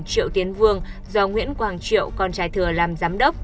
triệu tiến vương do nguyễn quang triệu con trai thừa làm giám đốc